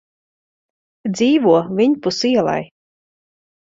Dzīvo viņpus ielai.